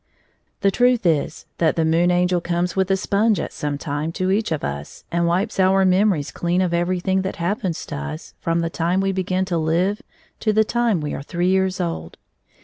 The truth is that the Moon Angel comes with a sponge at some time to each of us and wipes our memories clean of everything that happens to us jfrom the time we hegin to live to the time we are three years old.